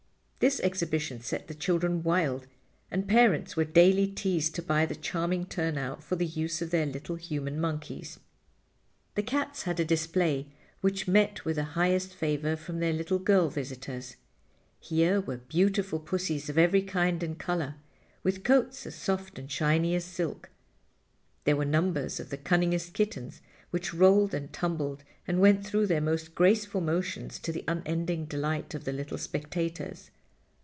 This exhibition set the children wild, and parents were daily teased to buy the charming turnout for the use of their little human monkeys. The cats had a display which met with the highest favor from their little girl visitors. Here were beautiful pussies of every kind and color, with coats as soft and shiny as silk. There were numbers of the cunningest kittens, which rolled and tumbled and went through their most graceful motions to the unending delight of the little spectators.